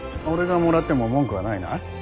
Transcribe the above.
俺がもらっても文句はないな。